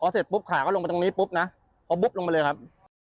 เสร็จปุ๊บขาก็ลงไปตรงนี้ปุ๊บนะพอปุ๊บลงมาเลยครับ